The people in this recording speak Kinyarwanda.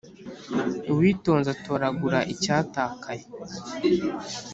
Uwitonze atoragura icyatakaye.